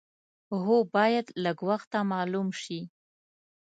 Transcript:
هو باید لږ وخته معلوم شي.